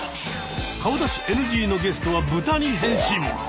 顔出しＮＧのゲストはブタに変身。